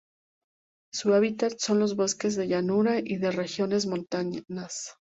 Su hábitat son los bosques de llanura y de regiones montanas.